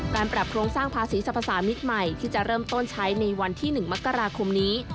การปรับโครงสร้างภาษีสรรพสามิตรใหม่ที่จะเริ่มต้นใช้ในวันที่๑มกราคมนี้